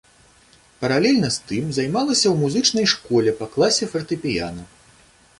Паралельна з тым займалася ў музычнай школе па класе фартэпіяна.